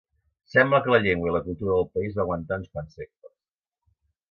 Sembla que la llengua i la cultura del país va aguantar uns quants segles.